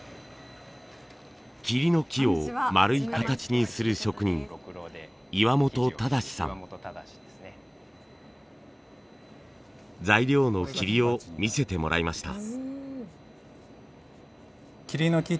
桐の木をまるい形にする材料の桐を見せてもらいました。